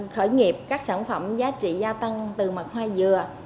khởi nghiệp các sản phẩm giá trị gia tăng từ mặt hoa dừa